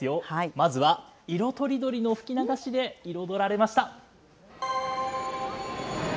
まずは色とりどりの吹き流しで彩られました。